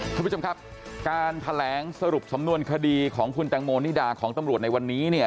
คุณผู้ชมครับการแถลงสรุปสำนวนคดีของคุณแตงโมนิดาของตำรวจในวันนี้เนี่ย